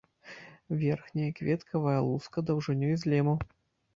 Верхняя кветкавая луска даўжынёй з лему.